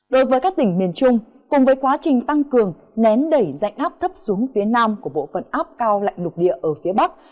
đối với các tỉnh miền trung cùng với quá trình tăng cường nén đẩy dạnh áp thấp xuống phía nam của bộ phận áp cao lạnh lục địa ở phía bắc